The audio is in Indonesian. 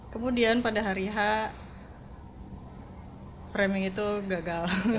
kemudian pada hari h framing itu gagal